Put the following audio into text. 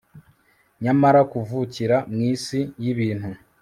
nyamara kuvukira mwisi yibintu